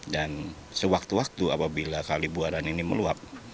dan sewaktu waktu apabila kali buaran ini meluap